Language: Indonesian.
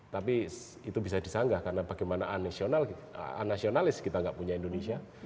tapi itu bisa disanggah karena bagaimana anasionalis kita nggak punya indonesia